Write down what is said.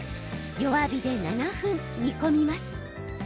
弱火で７分、煮込みます。